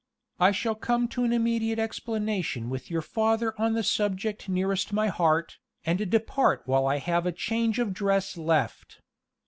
I shall come to an immediate explanation with your father on the subject nearest my heart, and depart while I have a change of dress left.